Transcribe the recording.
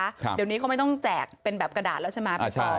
เดี๋ยวนี้เขาไม่ต้องแจกเป็นแบบกระดาษแล้วใช่ไหมพี่ชอ